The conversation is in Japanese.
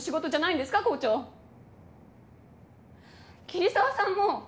桐沢さんも。